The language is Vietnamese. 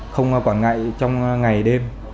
không quản ngại trong ngày đêm